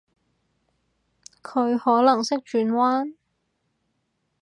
佢可能識轉彎？